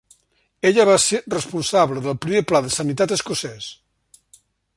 Ella va ser responsable del primer Pla de Sanitat Escocès.